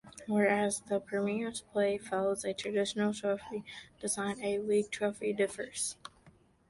Where as the Premier's Plate follows a traditional trophy design, the A-League Trophy differs.